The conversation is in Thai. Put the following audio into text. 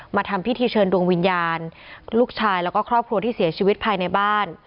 ทำพิธีเชิญดวงวิญญาณลูกชายแล้วก็ครอบครัวที่เสียชีวิตภายในบ้าน